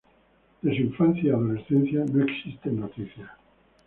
De su infancia y adolescencia no existen noticias.